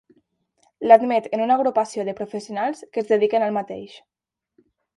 L'admet en una agrupació de professionals que es dediquen al mateix.